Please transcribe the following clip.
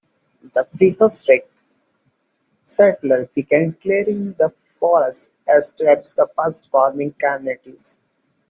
The prehistoric settlers began clearing the forest, and established the first farming communities.